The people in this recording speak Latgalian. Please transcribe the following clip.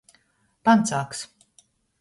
Pancāgs.